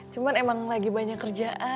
cuman emang lagi banyak kerjaan